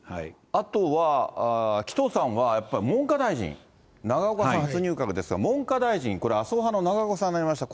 あとは、紀藤さんはやっぱり文科大臣、永岡さん、初入閣ですが、文科大臣、これは麻生派の永岡さんになりました。